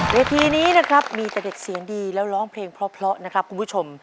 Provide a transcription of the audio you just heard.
เวทีนี้นะครับมีแต่เด็กเสียงดีแล้วร้องเพลงเพราะนะครับคุณผู้ชม